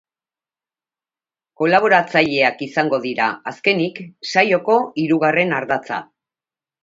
Kolaboratzaileak izango dira, azkenik, saioko hirugarren ardatza.